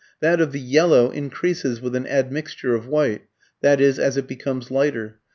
That of the yellow increases with an admixture of white, i.e., as it becomes lighter.